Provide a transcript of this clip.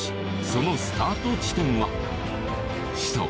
そのスタート地点は首都